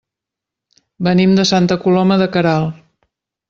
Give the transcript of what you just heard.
Venim de Santa Coloma de Queralt.